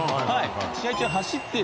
試合中走ってる。